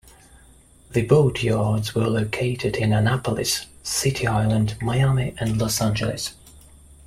The boatyards were located in Annapolis, City Island, Miami, and Los Angeles.